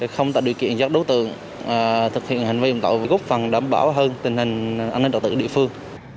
không tạo điều kiện giác đối tượng thực hiện hành vi hành tạo gốc phần đảm bảo hơn tình hình an ninh trọ tự địa phương